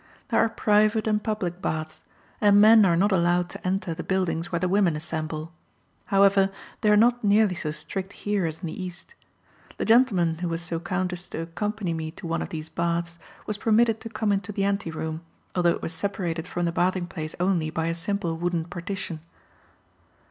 There are private and public baths, and men are not allowed to enter the buildings where the women assemble; however, they are not nearly so strict here as in the East. The gentleman who was so kind as to accompany me to one of these baths, was permitted to come into the anteroom, although it was separated from the bathing place only by a simple wooden partition.